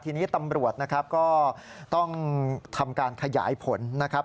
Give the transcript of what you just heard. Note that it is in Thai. ทีนี้ตำรวจนะครับก็ต้องทำการขยายผลนะครับ